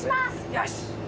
よし。